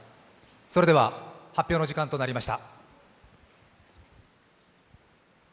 それでは、発表の時間となりました。